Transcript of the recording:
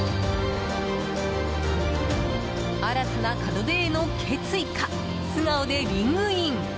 新たな門出への決意か素顔でリングイン！